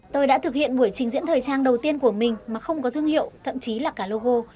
tôi đã thực hiện buổi trình diễn thời trang đầu tiên của mình mà không có thương hiệu thậm chí là cả logo